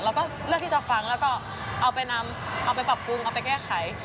เราก็เลือกที่จะฟังแล้วก็เอาไปนำเอาไปปรับปรุงเอาไปแก้ไข